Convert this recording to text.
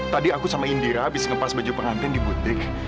tadi aku sama indira habis ngepas baju pengantin di butik